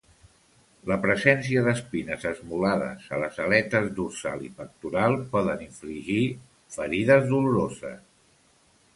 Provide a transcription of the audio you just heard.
La presència d'espines esmolades a les aletes dorsal i pectoral poden infligir ferides doloroses.